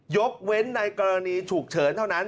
ยกเว้นในกรณีฉุกเฉินเท่านั้น